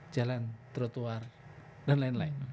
jalan trotoar dan lain lain